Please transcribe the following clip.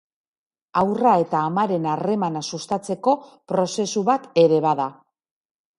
Haurra eta amaren harremana sustatzeko prozesu bat ere bada.